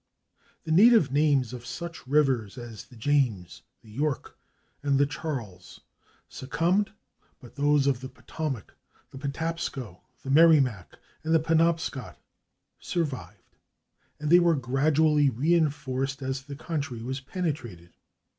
The native names of such rivers as the /James/, the /York/ and the /Charles/ succumbed, but those of the /Potomac/, the /Patapsco/, the /Merrimack/ and the /Penobscot/ survived, and they were gradually reinforced as the country was penetrated.